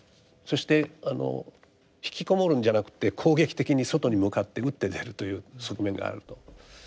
そしてあのひきこもるんじゃなくて攻撃的に外に向かって打って出るという側面があると。